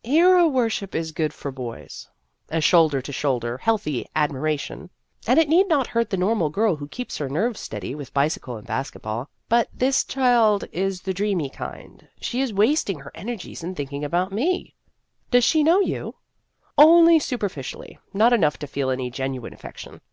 " Hero worship is good for boys a shoulder to shoulder, healthy admiration ; and it need not hurt the normal girl who keeps her nerves steady with bicycle and basket ball. But this child is the dreamy kind ; she is wasting her energies in thinking about me." Heroic Treatment 85 " Does she know you ?"" Only superficially, not enough to feel any genuine affection.